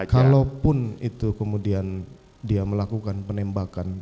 kalaupun itu kemudian dia melakukan penembakan